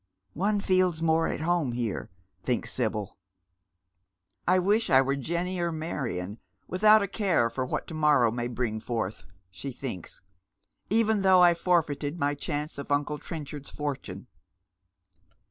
" One feels more at home here," thinks Sibyl. " I wish I were Jenny or Marion, without a care for what to» morrow may bring forth," sh» thinks ;" even though I forfeited my chance of uncle Trenchard's fortune."